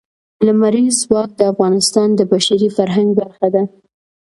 لمریز ځواک د افغانستان د بشري فرهنګ برخه ده.